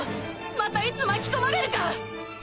またいつ巻き込まれるか！